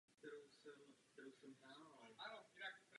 Tento letopočet se nacházel na kamenném ostění hlavního vstupu do kostela.